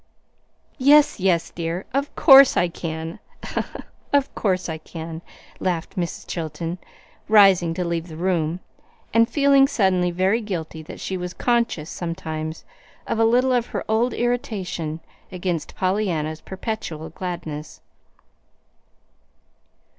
"Yes, yes, dear, of course I can, of course I can," laughed Mrs. Chilton, rising to leave the room, and feeling suddenly very guilty that she was conscious sometimes of a little of her old irritation against Pollyanna's perpetual gladness.